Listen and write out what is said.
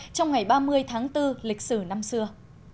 trong ngày ba mươi tháng bốn lịch sử năm xưa